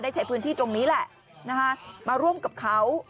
ใช้พื้นที่ตรงนี้แหละมาร่วมกับเขา